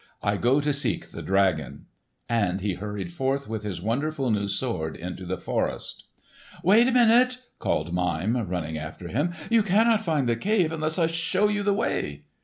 I go to seek the dragon!" And he hurried forth with his wonderful new sword into the forest. "Wait a moment!" called Mime, running after him; "you cannot find the cave unless I show you the way."